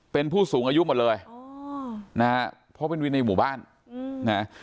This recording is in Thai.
เป็นผู้สูงอายุหมดเลยอ๋อนะฮะเพราะเป็นวินในหมู่บ้านนะ